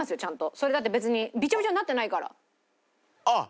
それだって別にビチョビチョになってないから。